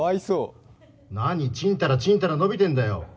何ちんたらちんたら伸びてんだよ。